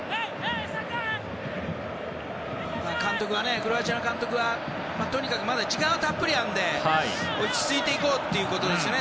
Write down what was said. クロアチアの監督はとにかくまだ時間はたっぷりあるんで落ち着いていこうってことですよね。